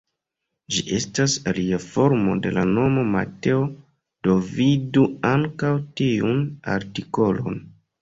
Ĝi estas alia formo de la nomo Mateo, do vidu ankaŭ tiun artikolon.